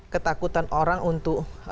ketakutan orang untuk